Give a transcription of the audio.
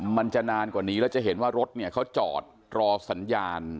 มันจะนานกว่านี้แล้วจะเห็นว่ารถเนี่ยเขาจอดรอสัญญาณ